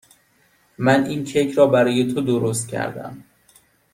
من این کیک را برای تو درست کردم.